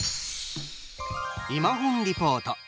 「いまほんリポート」。